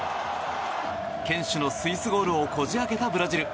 堅守のスイスゴールをこじ開けたブラジル。